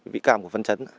vị cam của văn chấn